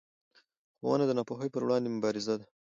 ښوونه د ناپوهۍ پر وړاندې مبارزه ده